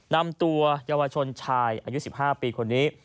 นำตัวเยาวชนชายอายุ๑๕ปีคนนี้